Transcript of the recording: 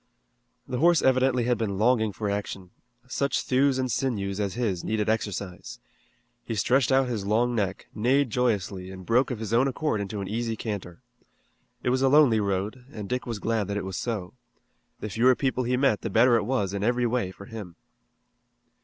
The horse evidently had been longing for action. Such thews and sinews as his needed exercise. He stretched out his long neck, neighed joyously, and broke of his own accord into an easy canter. It was a lonely road, and Dick was glad that it was so. The fewer people he met the better it was in every way for him.